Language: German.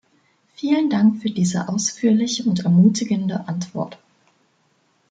Vielen Dank für diese ausführliche und ermutigende Antwort.